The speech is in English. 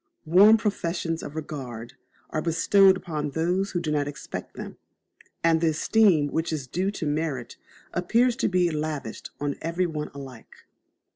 Warm professions of regard are bestowed on those who do not expect them, and the esteem which is due to merit appears to be lavished on every one alike.